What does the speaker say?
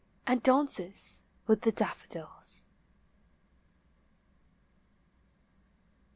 And dances with the daffodils.